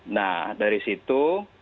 nah dari situ